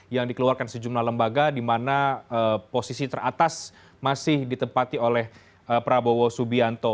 yang dikeluarkan sejumlah lembaga di mana posisi teratas masih ditempati oleh prabowo subianto